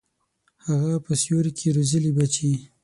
هغه په سیوري کي روزلي بچي